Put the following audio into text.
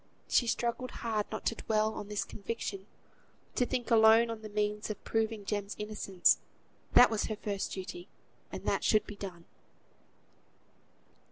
She struggled hard not to dwell on this conviction; to think alone on the means of proving Jem's innocence; that was her first duty, and that should be done.